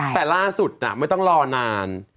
แต่ล่าสุดไม่ต้องรอนาน